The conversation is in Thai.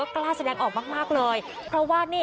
กล้าแสดงออกมากเลย